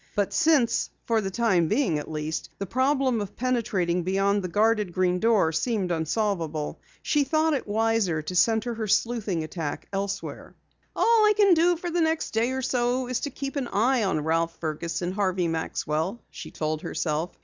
But since, for the time being at least, the problem of penetrating beyond the guarded Green Door seemed unsolvable, she thought it wiser to center her sleuthing attack elsewhere. "All I can do for the next day or so is to keep an eye on Ralph Fergus and Harvey Maxwell," she told herself.